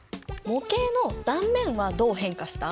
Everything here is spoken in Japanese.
模型の断面はどう変化した？